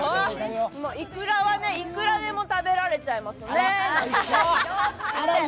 いくらはいくらでも食べられちゃいますね。